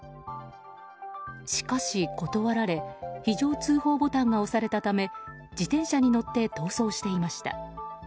しかし、断られ非常通報ボタンが押されたため自転車に乗って逃走していました。